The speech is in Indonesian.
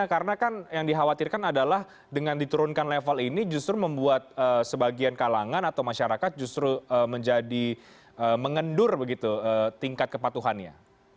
karena kan yang dikhawatirkan adalah dengan diturunkan level ini justru membuat sebagian kalangan atau masyarakat justru menjadi mengendur tingkat kepatuhannya